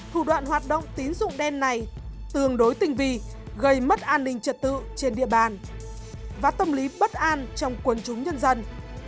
thủ đoạn hoạt động tín dụng đen này tương đối tình vi gây mất an ninh trật tự trên địa bàn và tâm lý bất an trong quân chúng nhân dân